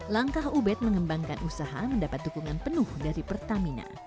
langkah ubed mengembangkan usaha mendapat dukungan penuh dari pertamina